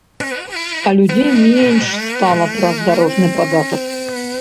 А людзей менш стала праз дарожны падатак.